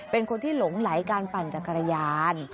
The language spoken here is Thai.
เป็นคนที่หลงไหลการปั่นจักรยาน